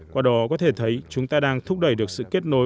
qua đó có thể thấy chúng ta đang thúc đẩy được sự kết nối